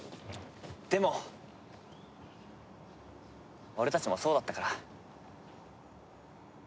でも俺たちもそうだったから。